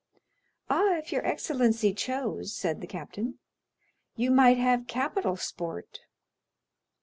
"Ah, if your excellency chose," said the captain, "you might have capital sport."